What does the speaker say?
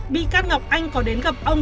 bị can ngọc anh có đến gặp ông